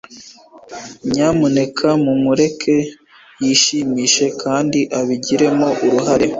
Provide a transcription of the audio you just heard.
nyamuneka mumureke yishimishe kandi abigiremo uruhare